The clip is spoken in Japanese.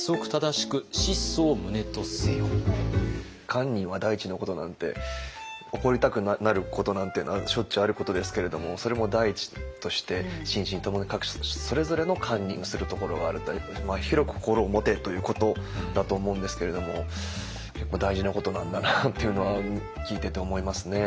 「堪忍は第一のこと」なんて怒りたくなることなんていうのはしょっちゅうあることですけれどもそれも第一として心身ともに各種それぞれの堪忍をするところがあるという広く心を持てということだと思うんですけれども結構大事なことなんだなっていうのは聞いてて思いますね。